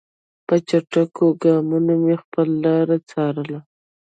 په چټکو ګامونو مې خپله لاره څارله.